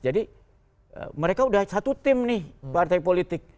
jadi mereka udah satu tim nih partai politik